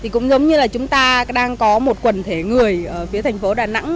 cũng giống như là chúng ta đang có một quần thể người ở phía thành phố đà nẵng